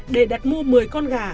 để đặt mua một mươi con gà